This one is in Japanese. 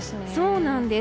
そうなんです。